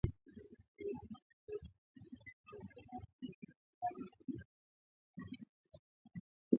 Eamon Gilmore alisema ameelezea wasi-wasi wa umoja huo